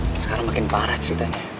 sekarang makin parah ceritanya